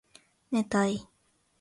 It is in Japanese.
寝たい